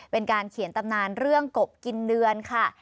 เป็นการเขียนตำนานเรื่องกบกินเดือนค่ะ